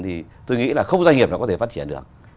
thì tôi nghĩ là không doanh nghiệp nó có thể phát triển được